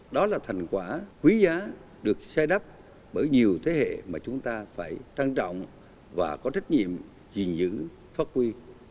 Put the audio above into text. đó là thành quả quý giá được xây đắp bởi nhiều thế hệ mà chúng ta phải trang trọng và có trách nhiệm gìn giữ phát huy